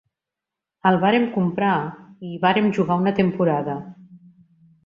El vàrem comprar i hi vàrem jugar una temporada.